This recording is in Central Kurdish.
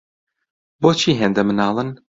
بۆچی هێندە مناڵن؟